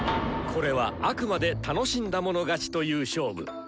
これはあくまで楽しんだもの勝ちという勝負。